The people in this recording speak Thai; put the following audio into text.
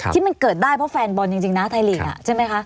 ที่มันเกิดได้เพราะแฟนบอลจริงนะไทยลีกใช่ไหมคะ